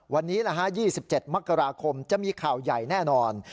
วันนี้๒๗มกราคมจะมีข่าวใหญ่แน่นอน